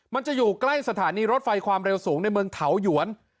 มันจะอยู่ใกล้สถานีรถไฟความเร็วสูงในเมืองเถาหยวน